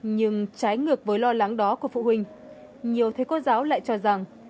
nhưng trái ngược với lo lắng đó của phụ huynh nhiều thầy cô giáo lại cho rằng